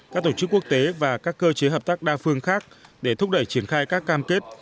các tổ chức quốc tế và các cơ chế hợp tác đa phương khác để thúc đẩy triển khai các cam kết